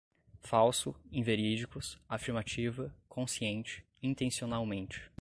falso, inverídicos, afirmativa, consciente, intencionalmente